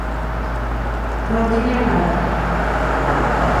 Non tiñan nada.